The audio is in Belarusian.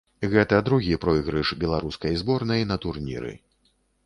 Гэта другі пройгрыш беларускай зборнай на турніры.